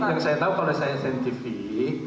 yang saya tahu kalau saya saintifik